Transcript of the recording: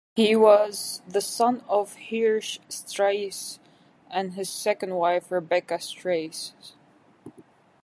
He was the son of Hirsch Strauss and his second wife Rebecca Strauss.